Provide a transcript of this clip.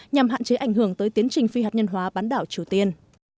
nhằm hạn chế ảnh hưởng tới tiến trình phi hạt nhân hóa bán đảo triều tiên